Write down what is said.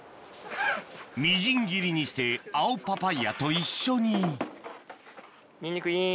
みじん切りにして青パパイヤと一緒にニンニクイン。